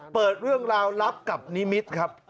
เปิดเรื่องราวลับกับนิมิตรครับ